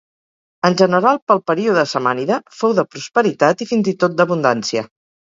En general pel període samànida fou de prosperitat i fins i tot d'abundància.